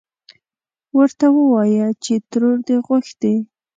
ورته ووايه چې ترور دې غوښتې.